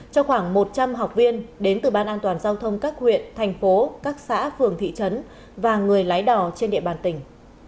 cho khoảng một trăm linh học viên đến từ ban an toàn giao thông các huyện thành phố các xã phường thị trấn và người lái đò trên địa bàn tỉnh